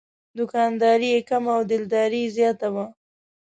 دوکانداري یې کمه او دلداري زیاته وه.